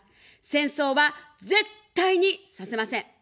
戦争は絶対にさせません。